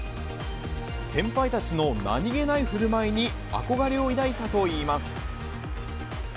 先輩たちの何気ないふるまいに、憧れを抱いたといいます。